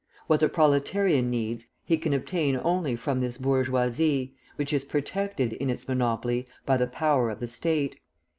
What the proletarian needs, he can obtain only from this bourgeoisie, which is protected in its monopoly by the power of the State.